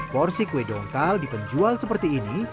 porsi kue dongkal di penjual seperti ini